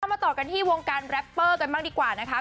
มาต่อกันที่วงการแรปเปอร์กันบ้างดีกว่านะคะ